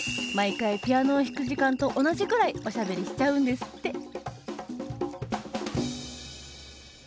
毎回ピアノを弾く時間と同じぐらいおしゃべりしちゃうんですって。